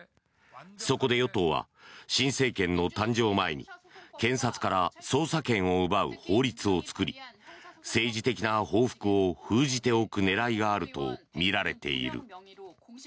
そこで与党は新政権の誕生前に検察から捜査権を奪う法律を作り政治的な報復を封じておく狙いがあるとみられている。